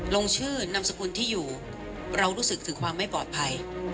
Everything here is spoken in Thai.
ลงชื่อนามสกุลที่อยู่เรารู้สึกถึงความไม่ปลอดภัย